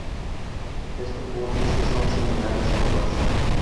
Esos vórtices son similares en fuerza.